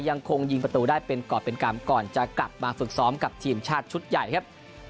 ยังคงยิงประตูได้เป็นกรอบเป็นกรรมก่อนจะกลับมาฝึกซ้อมกับทีมชาติชุดใหญ่ครับ